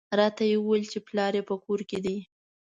راته یې وویل چې پلار یې په کور کې دی.